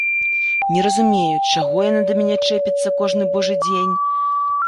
Не разумею, чаго яна да мяне чэпіцца кожны божы дзень!